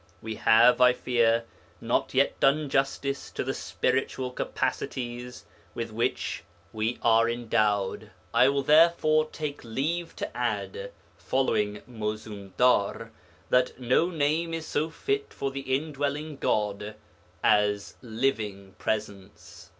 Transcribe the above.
We have, I fear, not yet done justice to the spiritual capacities with which we are endowed. I will therefore take leave to add, following Mozoomdar, that no name is so fit for the indwelling God as Living Presence.